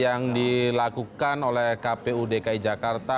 yang dilakukan oleh kpu dki jakarta